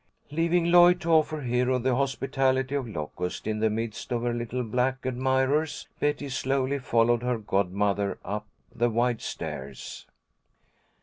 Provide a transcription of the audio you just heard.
Leaving Lloyd to offer Hero the hospitality of Locust in the midst of her little black admirers, Betty slowly followed her godmother up the wide stairs.